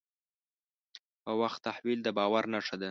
په وخت تحویل د باور نښه ده.